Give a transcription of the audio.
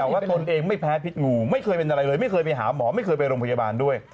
แต่ว่าตนเองไม่แพ้พิษงูไม่เคยเป็นอะไรเลยไม่เคยไปหาหมอไม่เคยไปโรงพยาบาลด้วย